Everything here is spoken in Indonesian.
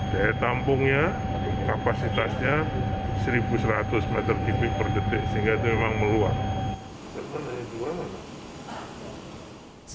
dari tampungnya kapasitasnya satu seratus m tiga per detik sehingga itu memang meluang